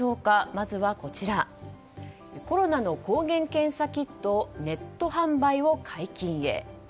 まずコロナの抗原検査キットネット販売を解禁へ。